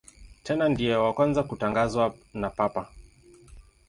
Tena ndiye wa kwanza kutangazwa na Papa.